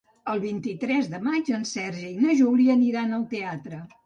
El vint-i-tres de maig en Sergi i na Júlia aniran al teatre.